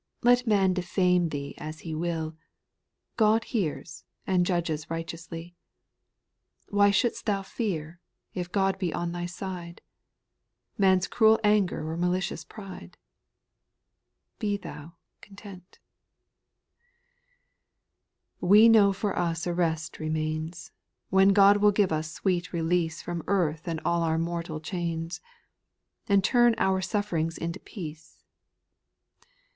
Let man defame thee as he will, God hears, and judges righteously. Why should*st thou fear, if God be on thy side, Man's cruel anger or malicious pride ? Be thou content. ' 11. We know for us a rest remains. When God will give us sweet release From earth and all our mortal chains, And turn our sufferings into peace.